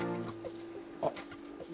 あっ。